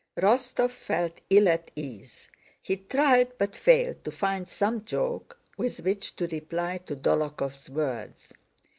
Rostóv felt ill at ease. He tried, but failed, to find some joke with which to reply to Dólokhov's words.